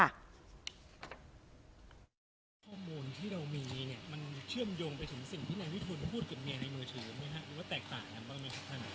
ข้อมูลที่เรามีเนี่ยมันเชื่อมโยงไปถึงสิ่งที่นายวิทูลพูดกับเมียในมือถือไหมครับหรือว่าแตกต่างกันบ้างไหมครับท่าน